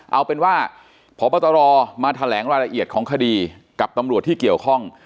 เอาเป็นว่าพบตรมาแถลงรายละเอียดของคดีกับตำรวจที่เกี่ยวข้อง